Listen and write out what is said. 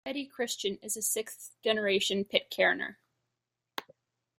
Betty Christian is a sixth-generation Pitcairner.